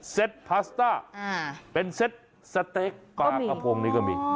พาสต้าเป็นเซ็ตสเต็กปลากระพงนี่ก็มี